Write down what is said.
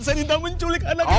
saya tidak menculik anak kita